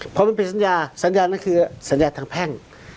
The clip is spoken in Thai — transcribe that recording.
พอมันผิดสัญญาสัญญานั้นคือสัญญาทางแพ่ง